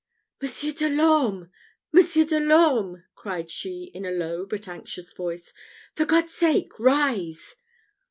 "Monsieur de l'Orme! Monsieur de l'Orme!" cried she, in a low but anxious voice, "for God's sake, rise!